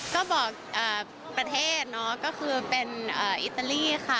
ก็บอกประเทศเนาะก็คือเป็นอิตาลีค่ะ